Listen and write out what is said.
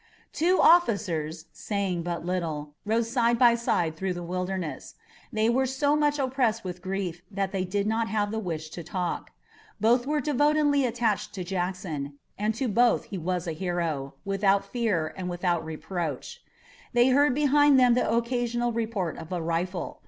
The two officers, saying but little, rode side by side through the Wilderness. They were so much oppressed with grief that they did not have the wish to talk. Both were devotedly attached to Jackson, and to both he was a hero, without fear and without reproach. They heard behind them the occasional report of a rifle.